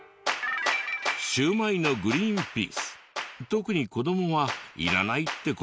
シュウマイのグリーンピース特に子どもは「いらない」って子もいますよね。